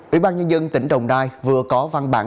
ủy ban nhân dân tỉnh đồng nai vừa có văn bản